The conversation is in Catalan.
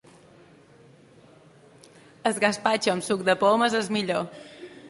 El gaspatxo amb suc de poma és el millor.